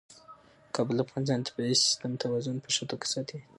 کابل د افغانستان د طبعي سیسټم توازن په ښه توګه ساتي.